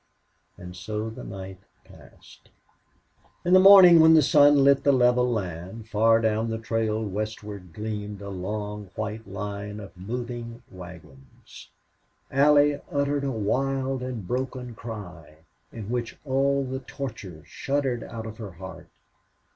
And so the night passed. In the morning, when the sun lit the level land, far down the trail westward gleamed a long white line of moving wagons. Allie uttered a wild and broken cry, in which all the torture shuddered out of her heart.